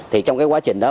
thì trong cái quá trình đó